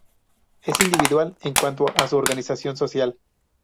Es individual en cuanto a su organización social.